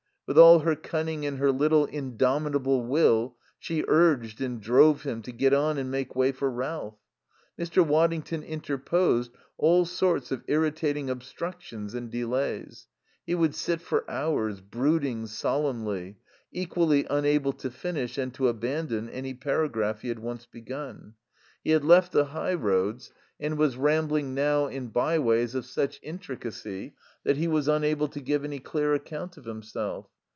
With all her cunning and her little indomitable will she urged and drove him to get on and make way for Ralph. Mr. Waddington interposed all sorts of irritating obstructions and delays. He would sit for hours, brooding solemnly, equally unable to finish and to abandon any paragraph he had once begun. He had left the high roads and was rambling now in bye ways of such intricacy that he was unable to give any clear account of himself.